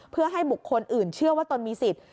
เพื่อให้บุคคลอื่นเชื่อว่าตนมีสิทธิ์